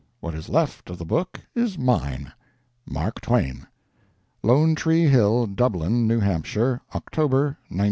What is left of the book is mine. MARK TWAIN. LONE TREE HILL, DUBLIN, NEW HAMPSHIRE, October, 1905.